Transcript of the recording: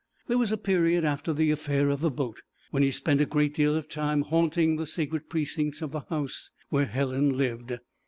There was a period, after the affair of the boat, when he spent a good deal of time haunting the sacred precincts of the house where Helen lived.